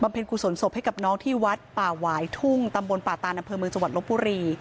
เป็นกุศลศพให้กับน้องที่วัดป่าหวายทุ่งตำบลป่าตานอำเภอเมืองจังหวัดลบบุรี